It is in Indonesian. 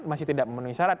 masih tidak memenuhi syarat